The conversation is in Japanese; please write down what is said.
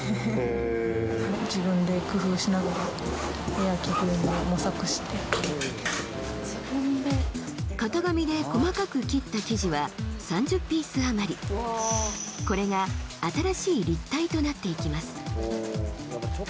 その時にへ型紙で細かく切った生地は３０ピースあまりこれが新しい立体となっていきます